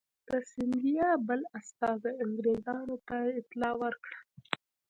د سیندیا بل استازي انګرېزانو ته اطلاع ورکړه.